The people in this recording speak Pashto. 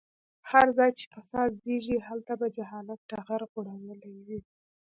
هر ځای چې فساد زيږي هلته به جهالت ټغر غوړولی وي.